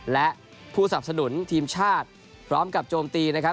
และผู้สนับสนุนทีมชาติพร้อมกับโจมตีนะครับ